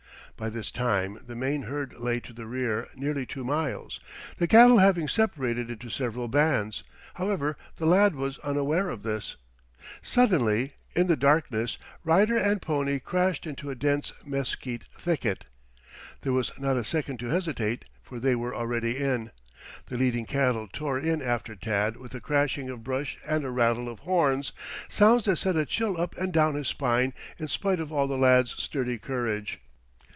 By this time the main herd lay to the rear nearly two miles, the cattle having separated into several bands. However, the lad was unaware of this. Suddenly, in the darkness, rider and pony crashed into a dense mesquite thicket. There was not a second to hesitate, for they were already in. The leading cattle tore in after Tad with a crashing of brush and a rattle of horns sounds that sent a chill up and down his spine in spite of all the lad's sturdy courage.